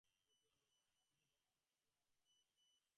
প্রচুর অন্ন-পানের মধ্যে ধর্ম নাই, সুরম্য হর্ম্যেও ধর্ম নাই।